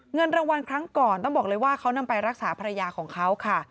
เงินรางวัลครั้งก่อนต้องบอกเลยว่าเขานำไปรักษาภรรยาของเขาค่ะ